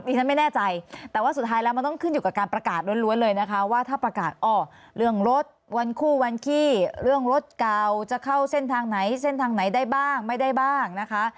ฉันไม่แน่ใจแต่ว่าสุดท้ายแล้วมันต้องขึ้นอยู่กับการประกาศล้วนเลยนะคะว่าถ้าประกาศอ้อเรื่องรถวันคู่วันขี้เรื่องรถเก่าจะเข้าเส้นทางไหนเส้นทางไหนได้บ้างไม่ได้บ้างนะคะ